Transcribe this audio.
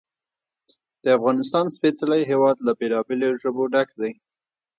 د افغانستان سپېڅلی هېواد له بېلابېلو ژبو ډک دی.